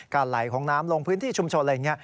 ไหลของน้ำลงพื้นที่ชุมชนอะไรอย่างนี้